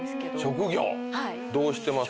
職業どうしてますか？